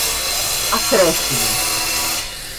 acrescidas